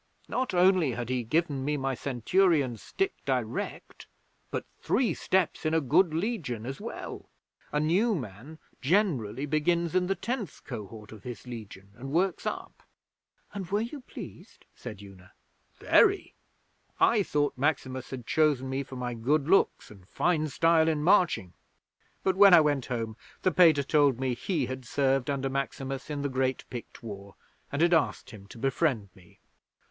Not only had he given me my Centurion's stick direct, but three steps in a good Legion as well! A new man generally begins in the Tenth Cohort of his Legion, and works up.' 'And were you pleased?' said Una. 'Very. I thought Maximus had chosen me for my good looks and fine style in marching, but, when I went home, the Pater told me he had served under Maximus in the great Pict War, and had asked him to befriend me.'